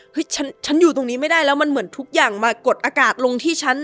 ฉันอยู่ตรงนี้ไม่ได้แล้วมันเหมือนทุกอย่างมากดอากาศลงที่ฉัน